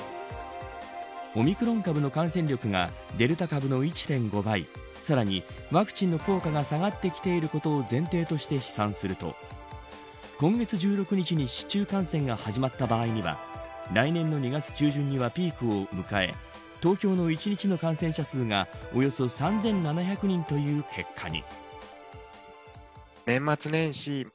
オミクロン株の感染力がデルタ株の１．５倍さらにワクチンの効果が下がってきていることを前提として試算すると今月１６日に市中感染が始まった場合には来年の２月中旬にはピークを迎え東京の１日の感染者数がおよそ３７００人という結果に。